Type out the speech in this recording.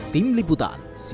tim liputan cnn indonesia